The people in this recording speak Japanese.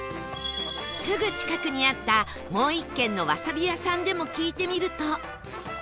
すぐ近くにあったもう１軒のわさび屋さんでも聞いてみると